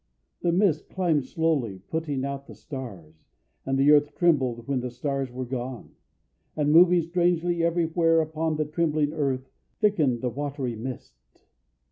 The mist climbed slowly, putting out the stars, And the earth trembled when the stars were gone; And moving strangely everywhere upon The trembling earth, thickened the watery mist.